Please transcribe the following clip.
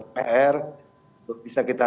pr untuk bisa kita